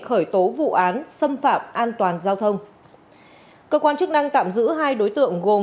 khởi tố vụ án xâm phạm an toàn giao thông cơ quan chức năng tạm giữ hai đối tượng gồm